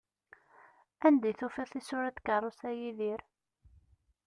Anda i tufiḍ tisura n tkerrust, a Yidir?